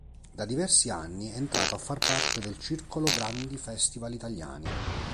Da diversi anni è entrato a far parte del circolo Grandi Festival Italiani.